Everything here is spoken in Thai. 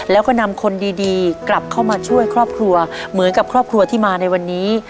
แล้วก็นำคนดีกลับเข้ามาช่วยครอบครัวเหมือนกับครอบครัวที่มาในวันนี้